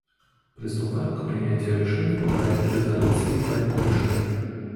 Приступаем к принятию решений по проекту резолюции и проекту решения.